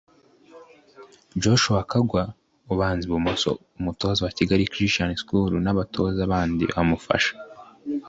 Joshua Kagwa (ubanza ibumoso) umutoza wa Kigali Christian School n'abatoza bandi bamufasha